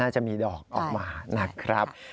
จะมีดอกออกมานะครับ